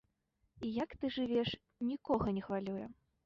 І як ты жывеш, нікога не хвалюе!